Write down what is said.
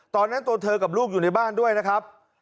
ตัวเธอกับลูกอยู่ในบ้านด้วยนะครับ